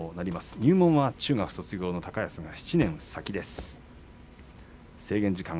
入門は中学卒業の高安が７年先です。